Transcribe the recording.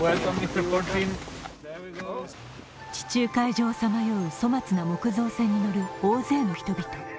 地中海上をさまよう粗末な木造船に乗る大勢の人々。